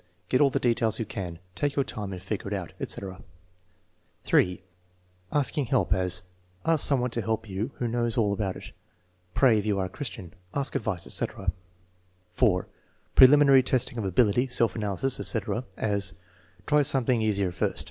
"Get all the details you can." "Take your time and figure it out," etc. (3) Asking help; as: "Ask some one to help you who knows all about it." "Pray, if you are a Christian." "Ask advice," etc. (4) Preliminary testing of ability, self analysis, etc.; as: "Try something easier first."